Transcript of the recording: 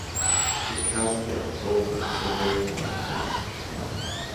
The Caspian plover has a very wide range.